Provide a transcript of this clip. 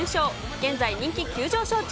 現在、人気急上昇中。